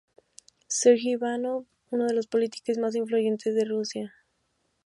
Sergei Ivanov, uno de los políticos más influyentes de Rusia.